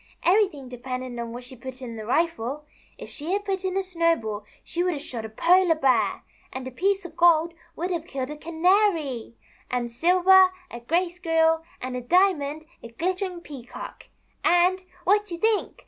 " Everything depended on what she put in the rifle. If she had put in a snowball she would have shot a Polar Bear ; and a piece of gold would have killed a Canary; and silver, a Gray Squirrel; and a diamond, a glittering Peacock ; and, what you think